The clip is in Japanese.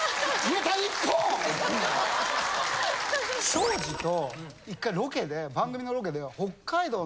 庄司と１回ロケで番組のロケで。